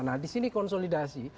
nah di sini konsolidasi